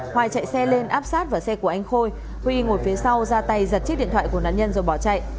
hoài chạy xe lên áp sát vào xe của anh khôi huy ngồi phía sau ra tay giật chiếc điện thoại của nạn nhân rồi bỏ chạy